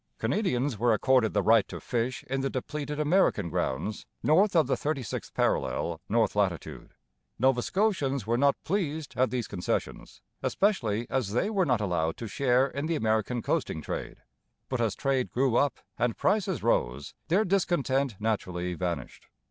Canadians were accorded the right to fish in the depleted American grounds, north of the 36th parallel N. latitude. Nova Scotians were not pleased at these concessions, especially as they were not allowed to share in the American coasting trade; but as trade grew up and prices rose, their discontent naturally vanished.